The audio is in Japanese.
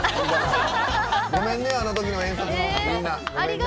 ごめんね、あのときの遠足のみんな。